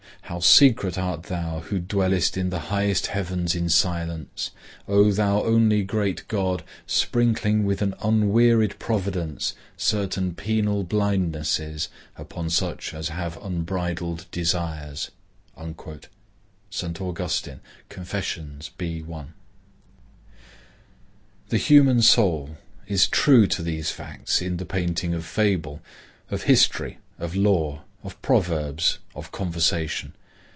"How secret art thou who dwellest in the highest heavens in silence, O thou only great God, sprinkling with an unwearied providence certain penal blindnesses upon such as have unbridled desires!" St. Augustine, Confessions, B. I. The human soul is true to these facts in the painting of fable, of history, of law, of proverbs, of conversation.